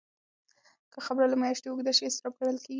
که خبره له میاشتې اوږده شي، اضطراب ګڼل کېږي.